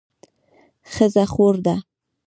ښځه خور ده